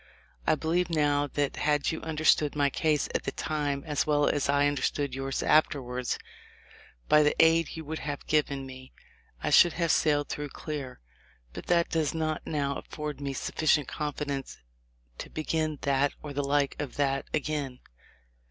I believe now that had you understood my case at the time as well as I under stood yours afterwards, by the aid you would have given me I should have sailed through clear ; but that does not now afford me sufficient confidence to begin that or the like of that again